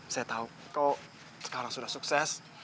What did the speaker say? saya tahu kok sekarang sudah sukses